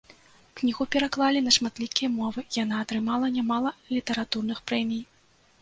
Кнігу пераклалі на шматлікія мовы, яна атрымала нямала літаратурных прэмій.